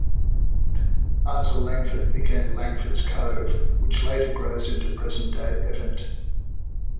Asa Langford began Langford's Cove, which later grows into present-day Evant.